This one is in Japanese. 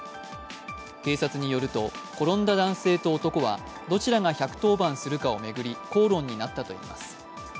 警察によると、転んだ男性と男はどちらが１１０番するかを巡り口論になったといいます。